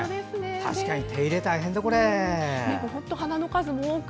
確かに手入れ、大変だ！